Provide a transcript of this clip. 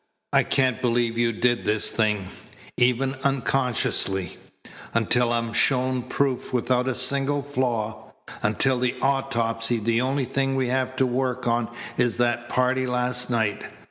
I can't believe you did this thing, even unconsciously, until I'm shown proof without a single flaw. Until the autopsy the only thing we have to work on is that party last night.